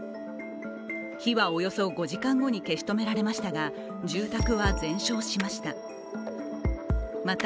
火は、およそ５時間後に消し止められましたが、住宅は全焼しました。